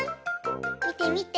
みてみて。